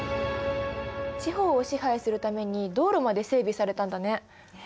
地方を支配するために道路まで整備されたんだね。ね。